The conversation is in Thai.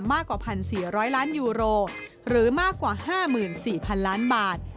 มากกว่า๑๔๐๐ล้านยูโรหรือมากกว่า๕๔๐๐๐ล้านบาท